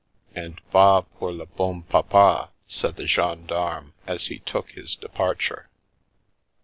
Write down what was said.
And " Va pour le bonpapa !" said the gendarme as he took his de parture.